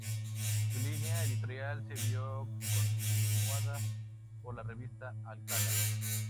Su línea editorial se vio continuada por la revista "Alcalá".